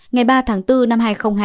ngày ba tháng bốn năm hai nghìn hai mươi